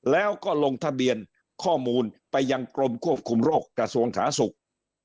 แล้วก็ลงทะเบียนข้อมูลไปยังกรมควบคุมโรคกระทรวงสาธารณสุข